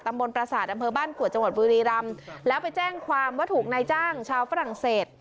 ประสาทอำเภอบ้านกวดจังหวัดบุรีรำแล้วไปแจ้งความว่าถูกนายจ้างชาวฝรั่งเศส